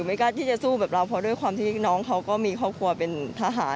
ไม่กล้าที่จะสู้แบบเราเพราะด้วยความที่น้องเขาก็มีครอบครัวเป็นทหาร